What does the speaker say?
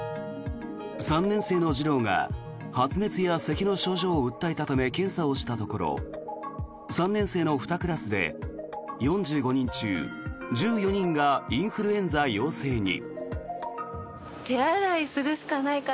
３年生の児童が発熱やせきの症状を訴えたため検査をしたところ３年生の２クラスで４５人中１４人がインフルエンザ陽性に。